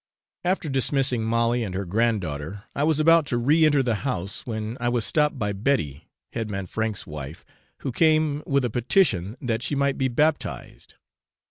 After dismissing Molly and her grand daughter, I was about to re enter the house, when I was stopped by Betty, head man Frank's wife, who came with a petition that she might be baptised.